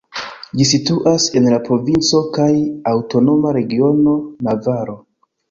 Ĝi situas en la provinco kaj aŭtonoma regiono Navaro.